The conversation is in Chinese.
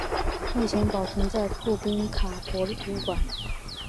目前保存在库宾卡博物馆。